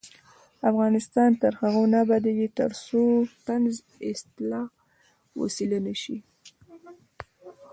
افغانستان تر هغو نه ابادیږي، ترڅو طنز د اصلاح وسیله نشي.